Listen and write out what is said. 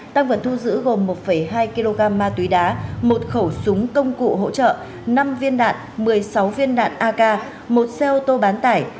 tăng vật thu giữ gồm một hai kg ma túy đá một khẩu súng công cụ hỗ trợ năm viên đạn một mươi sáu viên đạn ak một xe ô tô bán tải